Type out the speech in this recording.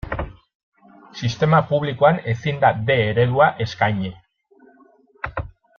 Sistema publikoan ezin da D eredua eskaini.